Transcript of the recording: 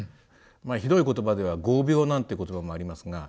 ひどい言葉では「業病」なんて言葉もありますが。